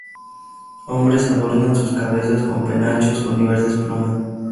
Hombres adornan sus cabezas con penachos, con diversas plumas.